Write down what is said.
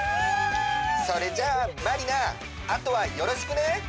それじゃあまりなあとはよろしくね！